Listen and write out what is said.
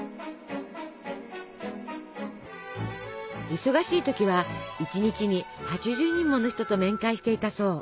忙しい時は１日に８０人もの人と面会していたそう。